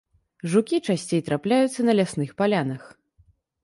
Жукі часцей трапляюцца на лясных палянах.